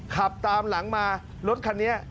ขับตามหลังมารถคันนี้